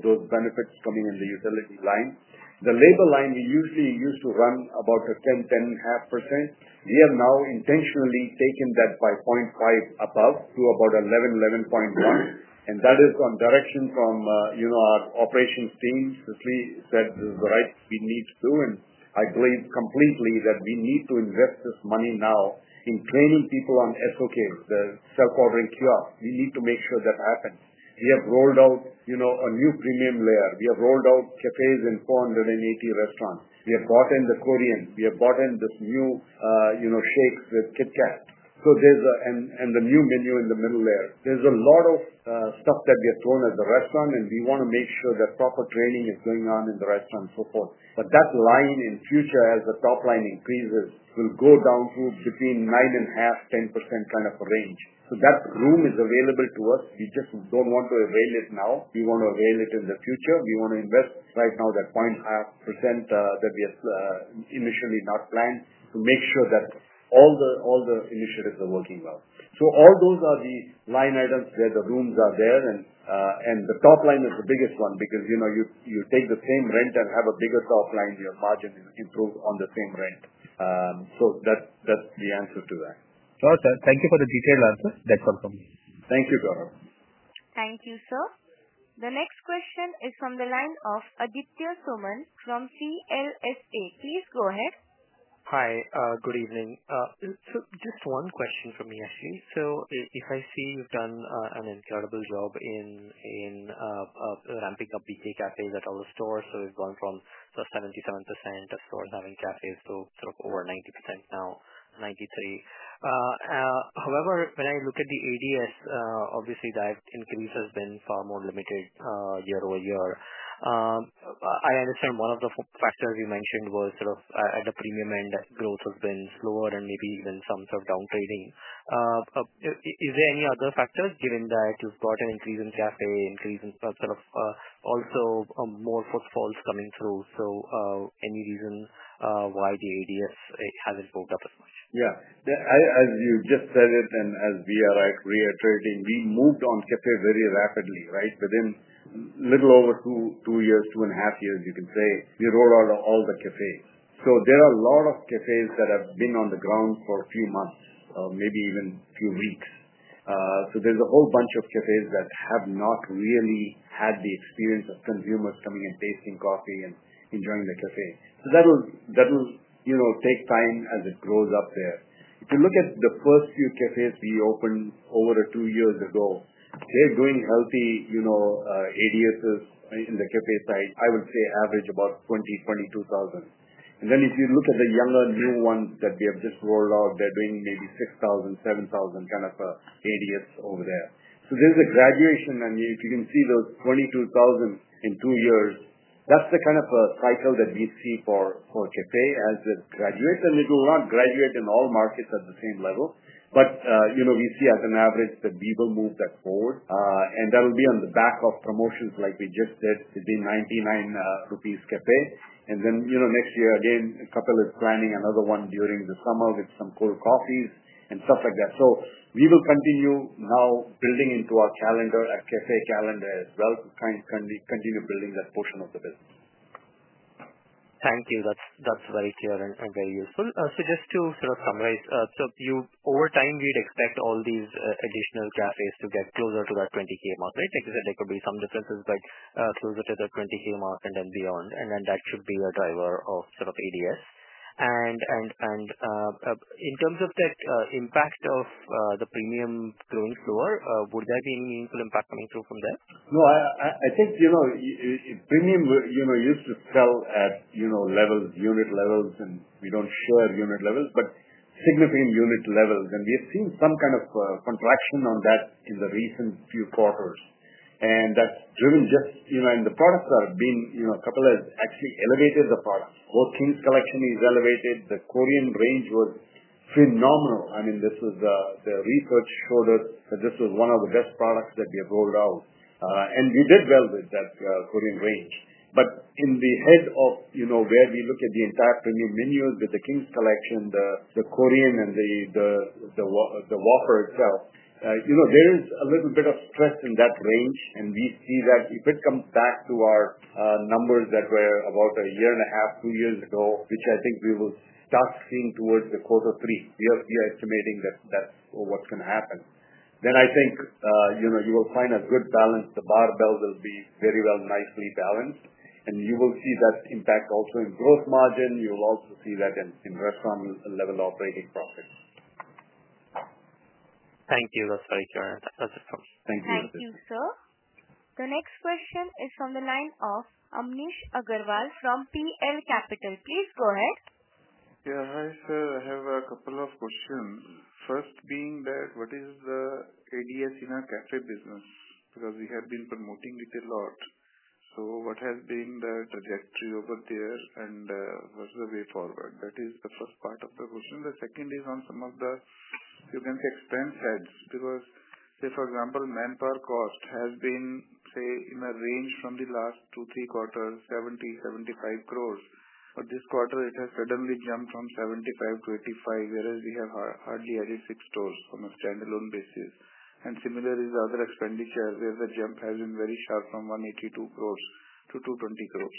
those benefits coming in. The utility line, the labor line usually used to run about 10%-10.5%. We have now intentionally taken that by 0.5% above to about 11%-11.1%. That has gone direction from our operations team said this is the right. We need to, and I believe completely that we need to invest this money now in training people on SOK, the self-ordering kiosks. We need to make sure that happens. We have rolled out a new premium layer. We have rolled out cafes in 480 restaurants. We have gotten the Korean, we have brought in this new shakes with KitKat. There's a, and the new menu in the middle there. There's a lot of stuff that gets thrown at the restaurant, and we want to make sure that proper training is going on in the restaurant, so forth. That line in future as the top line increases will go down to between 9.5%-10% kind of a range. That room is available to us. We just don't want to avail it now, we want to avail it in the future. We want to invest right now that point 1.5% that we have initially not planned to make sure that all the initiatives are working well. All those are the line items where the rooms are there, and the top line is the biggest one because, you know, you take the same rent and have a bigger top line, your margin improve on the same rent. That's the answer to that. Thank you for the detailed answer. That's all from me. Thank you, Gaurav. Thank you, sir. The next question is from the line of Aditya Soman from CLSA. Please go ahead. Hi, good evening. Just one question from me actually. If I see you've done an incredible job in ramping up the BK Cafe at our store. We've gone from 77% cafes to over 90%, now 93%. However, when I look at the age, yes, obviously that increase has been far. More limited year-over-year. I understand one of the factors you mentioned was sort of at the premium. Growth has been slower and maybe even some sort of down trading. Is there any other factors given that? You've got an increase in cafe increase. Also, more put faults coming through. Any reason why the radius hasn't moved up as much? Yeah, as you just said it and as we are reiterating, we moved on cafe very rapidly. Right. Within a little over two, two years, two and a half years, you can say we rolled out all the cafes. There are a lot of cafes that have been on the ground for a few months, maybe even a few weeks. There is a whole bunch of cafes that have not really had the experience of consumers coming and tasting coffee and enjoying the cafe. That'll take time as it grows up there. If you look at the first few cafes we opened over two years ago, they're doing healthy, you know, ADS, the cafe site, I will say average about 20,000-22,000. If you look at the younger new ones that we have just rolled out, they're doing maybe 6,000-7,000 kind of ADS over there. There is a graduation and if you can see those 22,000 in two years, that's the kind of a cycle that we see for cafe as it graduates and it will not graduate in all markets at the same level. We see as an average that people move that forward and that will be on the back of promotions. Like we just said, it'd be 99 rupees Cafe. Next year again, Kapil is planning another one during the summer with some cold coffees and stuff like that. We will continue now building into our calendar, a cafe calendar as well, continue building that portion of the business. Thank you. That's very clear and very useful. To sort of summarize, over time we'd expect all these additional cafes to get closer to that 20,000 mark. Like I said, there could be some differences, but closer to the 20,000 mark and then beyond. That should be a driver of sort of ADS. In terms of that impact. The premium going forward, would there be any impact coming through from that? No, I think premium used to sell at levels, unit levels, and we don't share unit levels, but significant unit levels. We have seen some kind of contraction on that in the recent few quarters. That's driven just, and the products are being, a couple has actually elevated the product. All King’s Collection is elevated. The Korean range was phenomenal. I mean this was, the research showed us that this was one of the best products that we have rolled out and we did well with that Korean range. In the head of, you know, where we look at the entire premium menus with the King's Collection, the Korean and the Whopper itself, you know, there is a little bit of stress in that range and we see that if it comes back to our numbers that were about a year and a half, two years ago, which I think we will start seeing towards the quarter three years, we are estimating that that's what's going to happen then I think, you know, you will find a good balance. The barbells will be very well, nicely balanced. You will see that impact also in gross margin. You'll also see that in restaurant level operating profit. Thank you. That's very generous. That's fantastic. Thank you. Thank you, sir. The next question is from the line of Amnish Aggarwal from PL Capital. Please go ahead. Yeah, hi sir, I have a couple of questions. First being that what is the ADS in our cafe business? Because we had been promoting it a lot, what has been the trajectory over there and what's the way forward? That is the first part of the question. The second is on some of the, you can say, expense heads because, say, for example, manpower cost has been, say, in a range from the last quarters, 70-75 crores, but this quarter, it has suddenly jumped from 75-85, whereas we have hardly added six stores on a standalone basis. Similar is the other expenditure, where the jump has been very stark from 182 crore to 220 crore.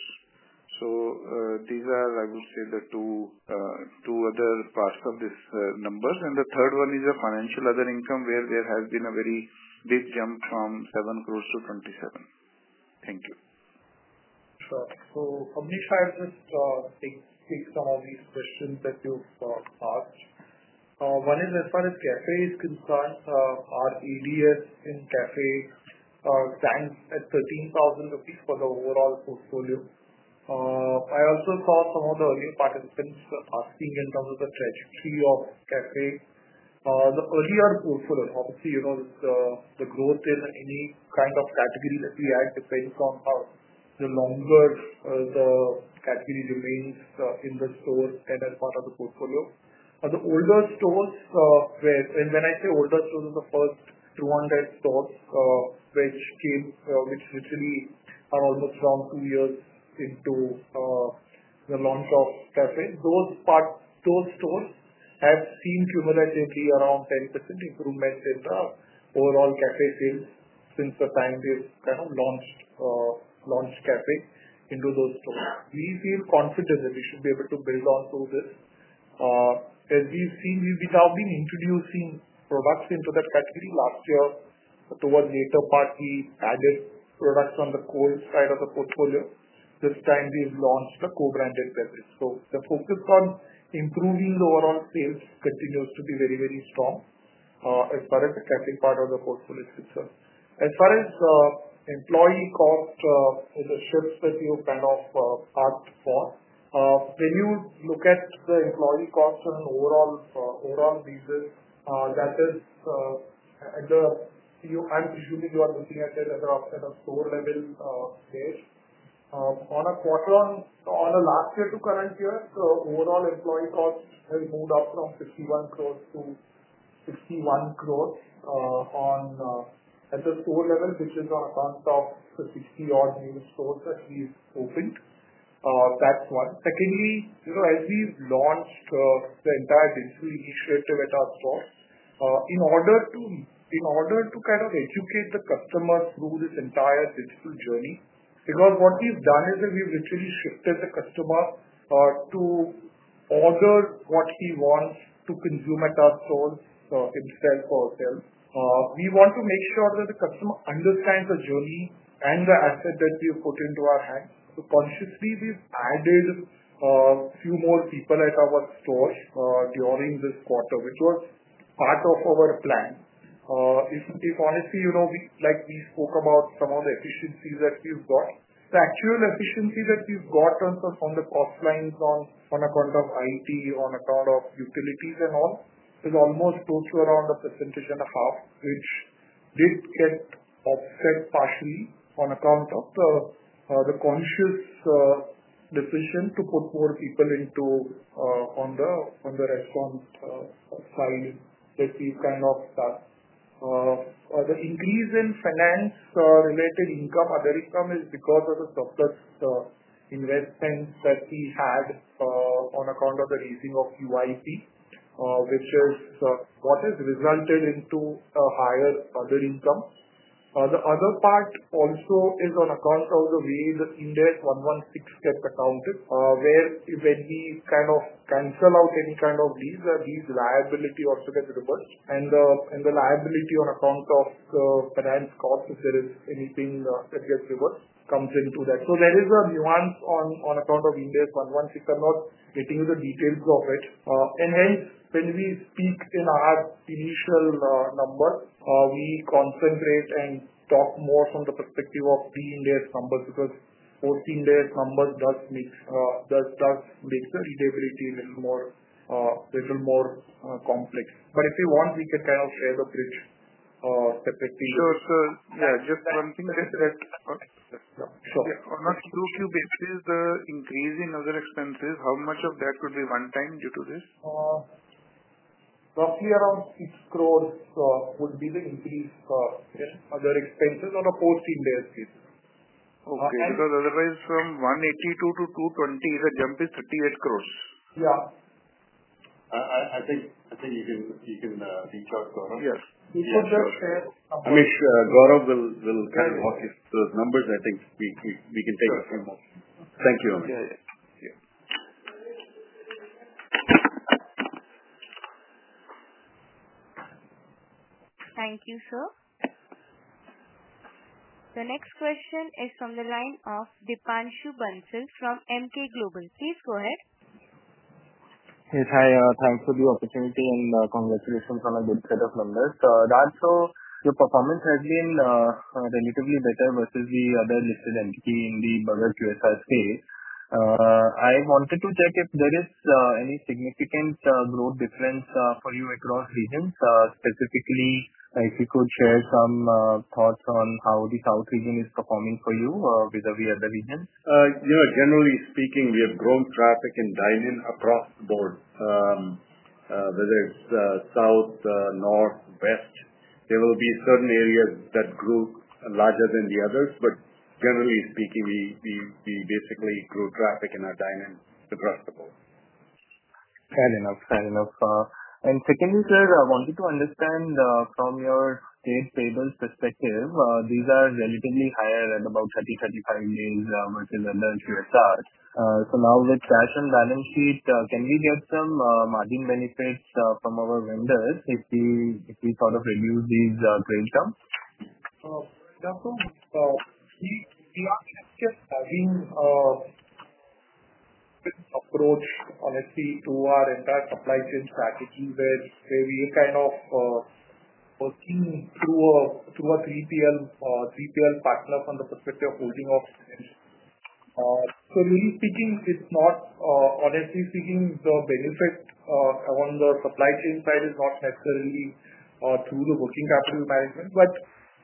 These are, I would say, the two other parts of these numbers. The third one is a financial. Other income, where there has been a very big jump from 7 crore to 27 crore. Thank you. Abnish, I'll just take some of these questions that you've asked. One is as far as cafe is concerned, our ADS in cafe stands at 13,000 rupees for the overall perfect portfolio. I also saw some of the early participants asking in terms of the cafe, the earlier portfolio. Obviously, you know the growth in any kind of category that we add, the credits on the longer the category remains in the store and as part of the portfolio, and the older stores. When I say older stores, the first 200 stores which came with literally are almost around two years into the launch of cafe, those stores have seen cumulatively around 10% improvement overall cafe sale since the time this kind of launch happened into those stores. We feel confident that we should be able to build on to this. As we've seen, we have been introducing products into the factory last year towards later part, we added products on the cold side of the portfolio. This time we've launched a co-branded business. The focus on improving the overall sales continues to be very, very strong as perfect catching part of the portfolio. As far as employee cost, the shift that you kind of asked for, renewed look at the employee costs and overall, overall visa. That is, I'm presuming you are looking at it as a store level sales on a quarter on, on a last year to current year's overall employee costs have moved up from 51 crore to 61 crore at the floor level, which is on account though with the key argument these opens. That's one. Second, as we launched the entire digital initiative at our store in order to kind of educate the customer through this entire digital journey. What we've done is that we've literally shifted the customer to order what he wants to consume at our install for ourselves. We want to make sure that the customer understands the journey and the asset that we put into our hand. Consciously, we've added a few more people at our stores during this quarter, which was part of our plan. If honestly, you know, like we spoke about some of the efficiencies that we've got, the actual efficiency that we've got on the offlines, on account of it, on account of utilities and all, is almost close to around a percentage and a half, which this offsets far as on account of the conscious decision to put more people into. On the response side, let's see kind of stuff. The increase in finance related income other is because of the surplus investment that we had on account of the raising of QIP, which is what has resulted into a higher other income. The other part also is on account of the way the Ind AS 116 get accounted, where when we kind of cancel out any kind of lease, these liability also get reversed, and the liability on account of the finance cost, if there is anything that gets reversed, comes into that. There is a nuance on account of Ind AS 116. I'm not getting you the details of it. Hence, when we speak in our initial number, we concentrate and talk more from the perspective of pre-Ind AS numbers because post-Ind numbers does make the readability a little more complex. If you want, we can kind of share the bridge separately. Just one thing is that the increase in other expenses, how much of that could be one time due to this? Roughly around INR 6 crore would be the increase in other expenses on a post-Ind AS basis. Okay. Because otherwise from 182 crore to 220 crore. Jump is 38 crore. I think you can reach out to me. Gaurav will kind of walk you through those numbers. I think we can take a few more. Thank you. Thank you, sir. The next question is from the line of Devanshu Bansal from Emkay Global. Please go ahead. Thanks for the opportunity and congratulations on a good set of numbers, Rajeev. Your performance has been relatively better versus the other listed entity in the burger QSR space. I wanted to check if there is any significant growth difference for you across regions? Specifically, if you could share some thoughts on how the south region is performing for you vis-à-vis other region? Generally speaking, we have grown traffic in dine-in across the board. Whether it's south, north, west, there will be certain areas that grew larger than the others. Generally speaking, we basically grew traffic in our dine-in. Sir, I wanted to understand from your trade papers perspective these are relatively higher at about 30 to 35 days versus under QSR. With cash on balance sheet, can we get some margin benefits from our vendors, if we sort of reduce these trade terms? Having approached honestly to our entire supply chain strategy where you kind of pursue it through a 3PL partner from the perspective of holding office. Really speaking, it's not honestly speaking the benefits on the supply chain side is not necessarily through the working capital management. But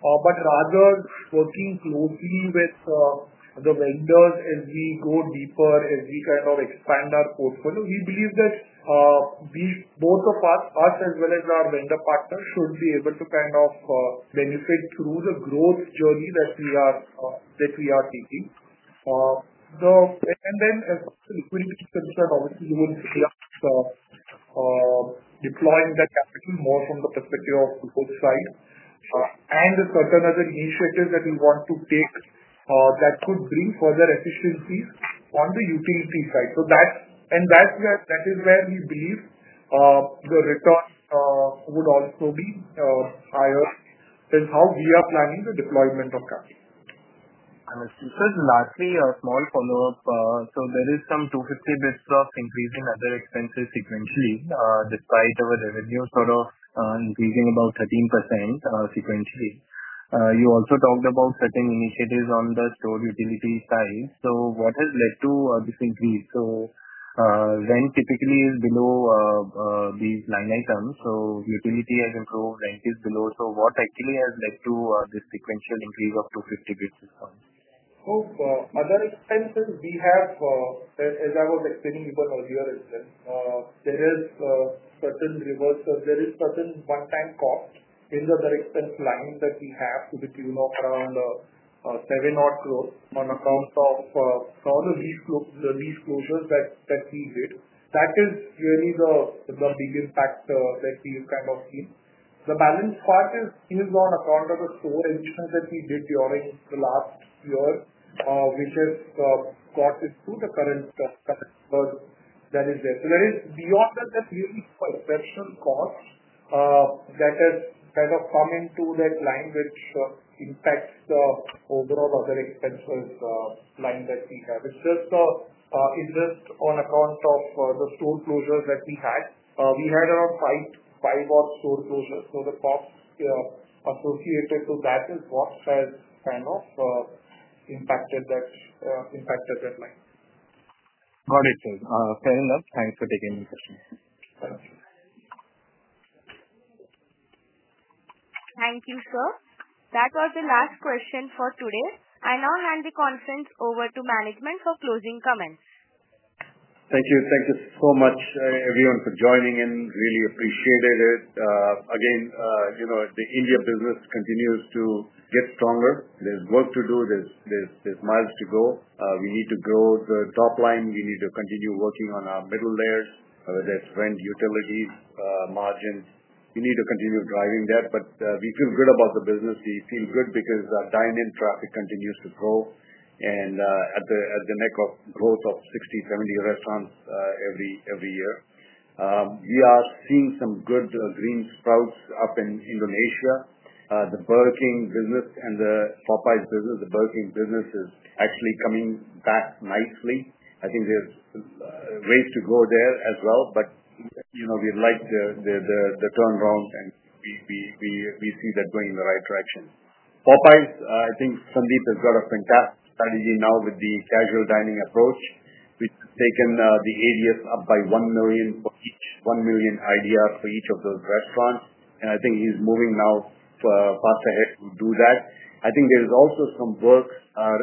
rather working closely with the vendors as we go deeper as we kind of expand our portfolio, he believes that both of us as well as our vendor partners should be able to benefit through the growth journey that we are taking. Then as you are deploying the capital more from the perspective of site and certain other initiatives that you want to take, that could bring further efficiencies on the utility side. That is where we believe the return would also be higher and how we are planning the deployment of capital. This is lastly a small follow-up. There is some 250 bps increase in other expenses sequentially despite our revenue sort of increasing about 13% sequentially. You also talked about certain initiatives on the store utility side. What has led to this increase? Typically, it is below these line items. Utility has improved, rank is below. What actually has led to this sequential increase of 250 bps other expenses? As I was explaining about earlier as well, there is certain rewards or there is certain one-time cost in the other expense lines that we have to between of around 70 crore on account of all the lease closes that we did. That is really the biggest factor that we kind of seen. The balance is on account of the four additions that we did during the last year which has for this to the current. There is beyond that for a person cause that has a common through that line which impacts the overall other expenses line that we have. It's just. It's just on account of the store closures that we had. We had around five store closures for the corp associated, so that is what impacted that line. Got it. Fair enough. Thanks for taking this. Thank you, sir. That was the last question for today. I now hand the conference over to management for closing comments. Thank you. Thank you so much everyone for joining in. Really appreciate it. Again, you know the India business continues to get stronger. There's work to do, there's miles to go. We need to grow the top line. We need to continue working on our middle layers. There's rent, utilities, margin. We need to continue driving that. We feel good about the business. We feel good because dine-in traffic continues to grow and at the neck of growth of 60-70 restaurants every year. We are seeing some good green sprouts up in Indonesia. The Burger King business and the Popeyes business. The Burger King business is actually coming. That's nicely. I think there's ways to go there as well. We like the turnaround and we see that going in the right direction. Popeyes, I think Sandeep has got a fantastic strategy now with the casual dining approach. We've taken the ADS up by 1 million for each of those restaurants. I think he's moving now four parts ahead to do that. I think there is also some work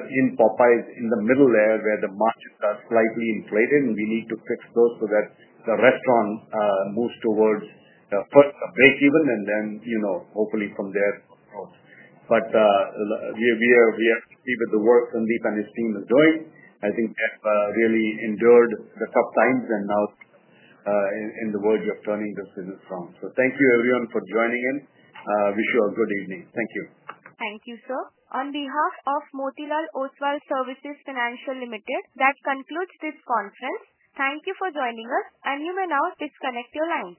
in Popeyes in the middle there where the market is slightly inflated and we need to fix those so that the restaurant moves towards break even and then, you know, hopefully from there. We have to keep it. The work Sandeep and his team is doing I think really endured the tough times and now in the world we are turning this. Thank you everyone for joining in. Wish you a good evening. Thank you. Thank you, sir. On behalf of Motilal Oswal Financial Services Limited, that concludes this conference. Thank you for joining us. You may now disconnect your lines.